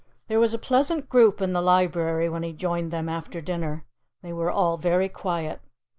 There was a pleasant group in the library when he joined them after dinner. They were all very quiet.